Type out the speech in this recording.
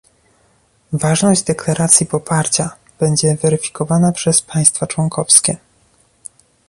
Ważność deklaracji poparcia będzie weryfikowana przez państwa członkowskie